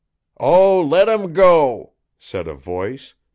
"Oh, let him go!" said a voice.